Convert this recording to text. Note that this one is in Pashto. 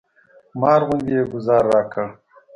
مار غوندې یې ګوزار راکړ.